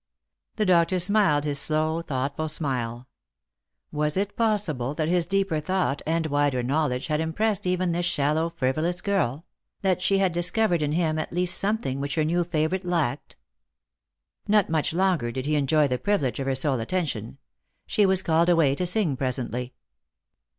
The doctor smiled his slow thoughtful smile. "Was it possible that his deeper thought and wider knowledge had impressed even this shallow frivolous girl ; that she had discovered in him at least something which her new favourite lacked ? Not much longer did he enjoy the privilege of her sole atten tion. She was called away to sing presently.